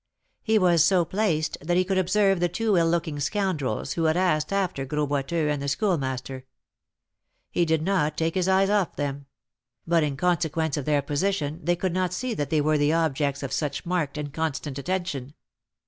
He was so placed that he could observe the two ill looking scoundrels who had asked after Gros Boiteux and the Schoolmaster. He did not take his eyes off them; but in consequence of their position, they could not see that they were the objects of such marked and constant attention.